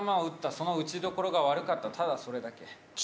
その打ちどころが悪かった、ただそれだけ。